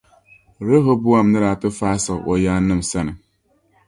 Rɛhɔbɔam ni daa ti faai siɣ’ o yaannim’ sani.